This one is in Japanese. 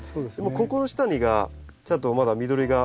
ここの下がちゃんとまだ緑が。